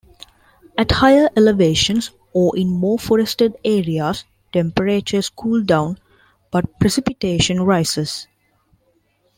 At higher elevations or in more forested areas temperatures cool down but precipitation rises.